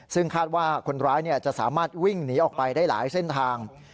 ซึ่งคาดว่าคนร้ายจะสามารถวิ่งหนีออกไปได้หลายเส้นทาง